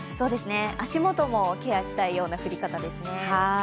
足元もケアしたいような降り方ですね。